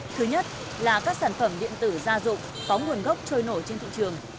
thứ nhất là các sản phẩm điện tử gia dụng có nguồn gốc trôi nổi trên thị trường